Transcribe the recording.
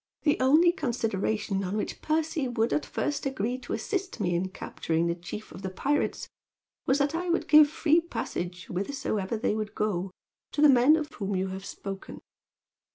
The only consideration on which Percy would at first agree to assist me in capturing the chief of the pirates was that I would give free passage, whithersoever they would go, to the men of whom you have spoken.